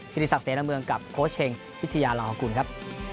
พิธีศักดิ์เสนอเมืองกับโค้ชเช็งวิทยาลังค์ของคุณครับ